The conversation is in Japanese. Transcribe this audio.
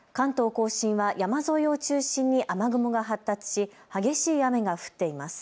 甲信は山沿いを中心に雨雲が発達し激しい雨が降っています。